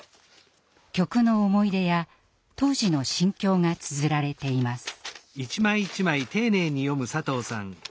曲の思い出や当時の心境がつづられています。